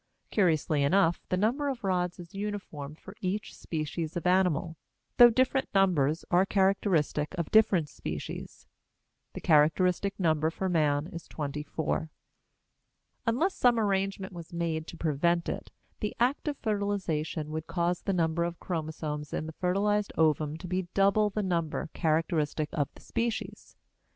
Curiously enough the number of rods is uniform for each species of animal, though different numbers are characteristic of different species; the characteristic number for man is twenty four. Unless some arrangement was made to prevent it, the act of fertilization would cause the number of chromosomes in the fertilized ovum to be double the number characteristic of the species.